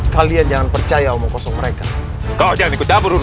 kalian jangan percaya omong kosong mereka kau jangan ikut abu abu